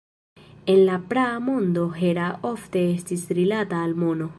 En la praa mondo Hera ofte estis rilata al mono.